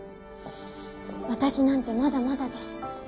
私なんてまだまだです。